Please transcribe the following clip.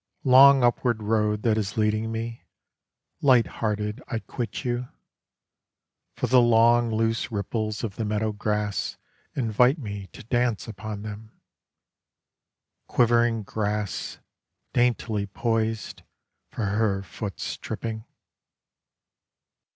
Long upward road that is leading me, Light hearted I quit you, For the long loose ripples of the meadow grass Invite me to dance upon them. Quivering grass Daintily poised For her foot's tripping.